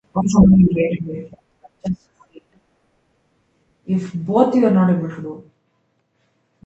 The headquarters of the Central Bank is in Tripoli.